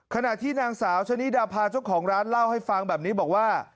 ขณะที่นางสาวชะนิดาพาเจ้าของร้านเล่าให้ฟังแบบนี้บอกว่า